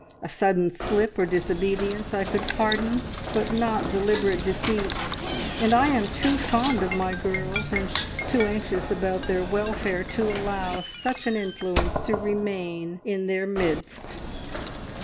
A sudden slip or disobedience I could pardon, but not deliberate deceit, and I am too fond of my girls, and too anxious about their welfare, to allow such an influence to remain in their midst."